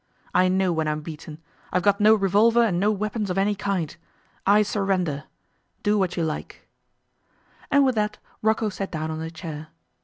I know when I'm beaten. I've got no revolver and no weapons of any kind. I surrender. Do what you like.' And with that Rocco sat down on a chair.